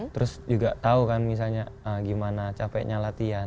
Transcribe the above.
terus juga tahu kan misalnya gimana capeknya latihan